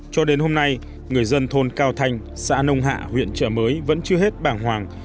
cho đến hôm nay người dân thôn cao thanh xã nông hạ huyện trợ mới vẫn chưa hết bảng hoàng